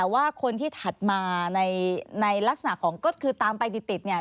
ว่าคนที่ถัดมาในลักษณะของก็คือตามไปติดเนี่ย